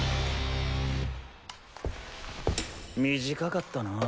短かったなぁ！